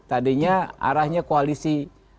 tadinya arahnya koalisi